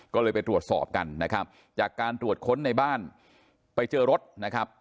ก็เลยไปตรวจสอบกันนะครับจากการตรวจค้นในบ้านไปเจอรถนะครับ